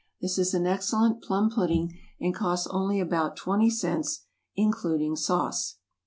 This is an excellent plum pudding, and costs only about twenty cents, including sauce.